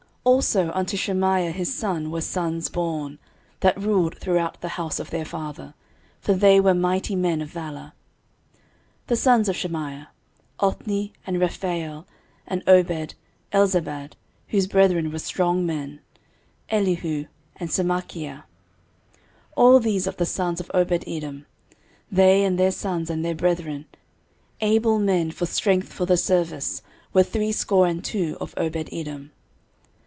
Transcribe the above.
13:026:006 Also unto Shemaiah his son were sons born, that ruled throughout the house of their father: for they were mighty men of valour. 13:026:007 The sons of Shemaiah; Othni, and Rephael, and Obed, Elzabad, whose brethren were strong men, Elihu, and Semachiah. 13:026:008 All these of the sons of Obededom: they and their sons and their brethren, able men for strength for the service, were threescore and two of Obededom.